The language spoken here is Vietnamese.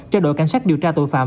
cho đội cảnh sát điều tra tội phạm